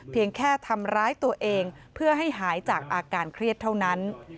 แค่ทำร้ายตัวเองเพื่อให้หายจากอาการเครียดเท่านั้น